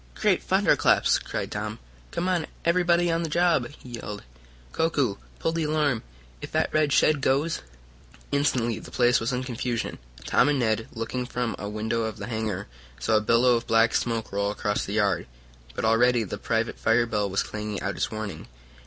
"Great thunderclaps!" cried Tom. "Come on everybody on the job!" he yelled. "Koku, pull the alarm! If that red shed goes " Instantly the place was in confusion. Tom and Ned, looking from a window of the hangar, saw a billow of black smoke roll across the yard. But already the private fire bell was clanging out its warning.